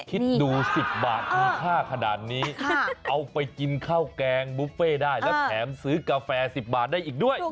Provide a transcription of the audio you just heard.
คิดดู๑๐บาทมีค่าขนาดนี้